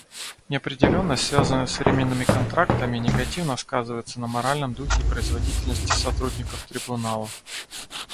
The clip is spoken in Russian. Неопределенность, связанная с временными контрактами, негативно сказывается на моральном духе и производительности сотрудников Трибунала.